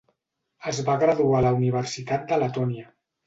Es va graduar a la Universitat de Letònia.